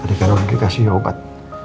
adik adik orang dikasih obat